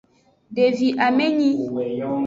Devi amenyi.